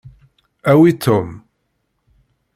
Awi Tom.